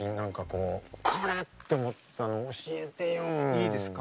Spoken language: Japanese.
いいですか？